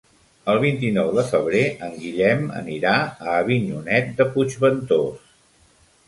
El vint-i-nou de febrer en Guillem anirà a Avinyonet de Puigventós.